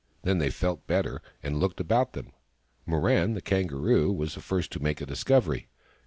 Then they felt better, and looked about them. Mirran, the Kangaroo, was the first to make a discovery.